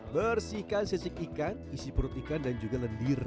bersihkan sisik ikan isi perut ikan dan juga lendir